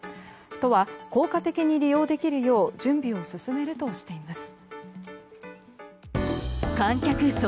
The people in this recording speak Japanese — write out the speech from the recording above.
都は、効果的に利用できるよう準備を進めるとしています。